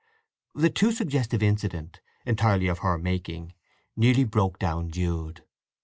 The too suggestive incident, entirely of her making, nearly broke down Jude.